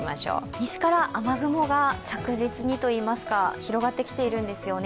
西から雨雲が着実に広がってきているんですよね。